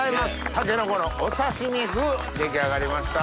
タケノコのお刺身風出来上がりました。